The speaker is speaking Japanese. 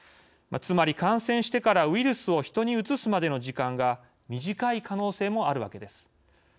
つまり、感染してからウイルスを人にうつすまでの時間が短い可能性もあるわけです。